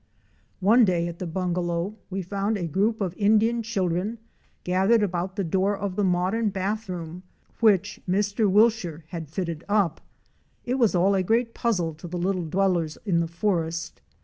One day at the bungalow we found a group of Indian children gathered about the door of the modern bathroom which Mr. Wilshire had had fitted up. It was all a great puzzle to the little dwellers in the forest.